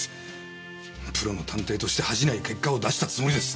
プロの探偵として恥じない結果を出したつもりです。